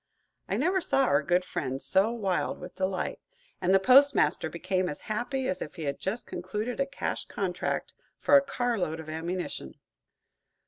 I never saw our good friend so wild with delight, and the postmaster became as happy as if he had just concluded a cash contract for a car load of ammunition.